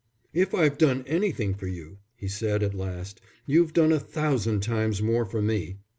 "If I've done anything for you," he said at last, "you've done a thousand times more for me.